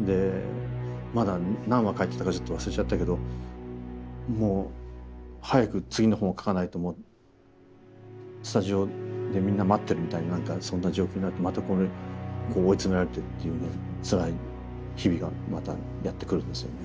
でまだ何話書いてたかちょっと忘れちゃったけどもう早く次の本を書かないともうスタジオでみんな待ってるみたいな何かそんな状況になってまたこれ追い詰められてっていうねつらい日々がまたやって来るんですよね。